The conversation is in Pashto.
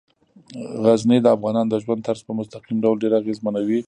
غزني د افغانانو د ژوند طرز په مستقیم ډول ډیر اغېزمنوي.